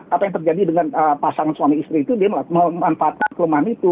apa yang terjadi dengan pasangan suami istri itu dia memanfaatkan kelemahan itu